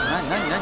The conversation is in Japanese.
何？